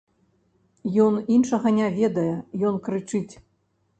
Ён іншага не ведае, ён крычыць.